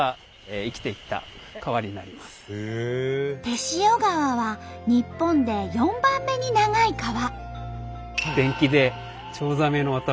天塩川は日本で４番目に長い川。